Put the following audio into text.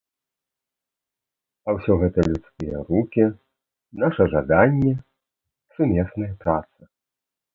А ўсё гэта людскія рукі, наша жаданне, сумесная праца.